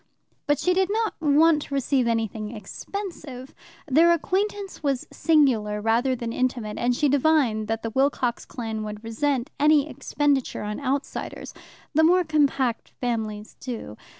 But she did not want to receive anything expensive. Their acquaintance was singular rather than intimate, and she divined that the Wilcox clan would resent any expenditure on outsiders; the more compact families do.